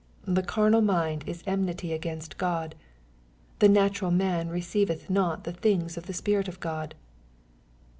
" The carnal mind is enmity against God." " The natural man receiveth not the things of the Spirit of God.